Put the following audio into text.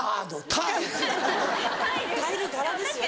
タイル柄ですよ